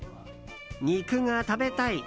肉が食べたい。